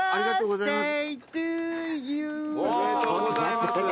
ありがとうございます。